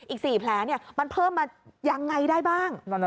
อีก๔แผลมันเพิ่มมายังไงได้บ้าง